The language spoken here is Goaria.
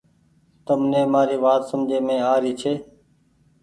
تم ني مآري وآت سمجهي مين آ ري ڇي۔